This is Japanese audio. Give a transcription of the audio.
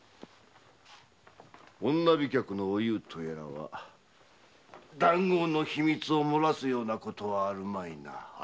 女飛脚のおゆうとやらは談合の秘密をもらすようなことはあるまいな。